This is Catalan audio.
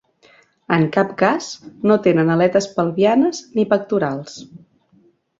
En cap cas, no tenen aletes pelvianes ni pectorals.